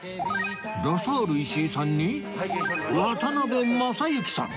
ラサール石井さんに渡辺正行さん